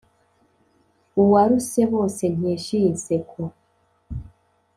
uwaruse bose nkesha iyi nseko